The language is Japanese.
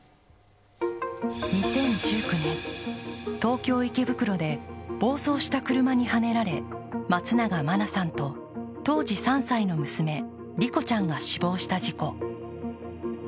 ２０１９年、東京・池袋で暴走した車にはねられ松永真菜さんと当時３歳の娘・莉子ちゃんが死亡した事故。